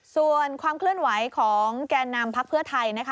ส่วนความเคลื่อนไวของแก่นามพรรคเพื่อไทย